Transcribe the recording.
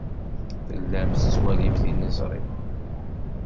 Tellam tettwalim tilizṛi.